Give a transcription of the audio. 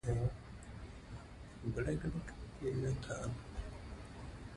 ازادي راډیو د کرهنه په اړه د استادانو شننې خپرې کړي.